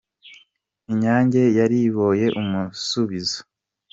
Inyange yariboye umusubizo